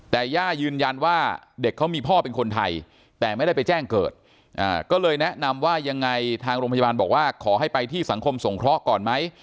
แต่ย่ายืนยันว่าเด็กเขามีพ่อเป็นคนไทยแต่ไม่ได้ไปแจ้งเกิดก็เลยแนะนำว่ายังไงทางโรงพยาบาลบอกว่าขอให้ไปที่สังคมสงเคราะห์ก่อนไหม